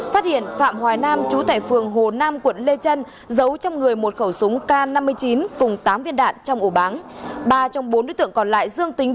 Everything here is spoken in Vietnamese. phát hiện phạm hoài nam trú tại phường hồ nam quận lê trân giấu trong người một khẩu súng k năm mươi chín cùng tám viên đạn trong ổ báng